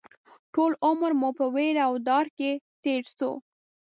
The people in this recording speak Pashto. ټول عمر مو په وېره او ډار کې تېر شو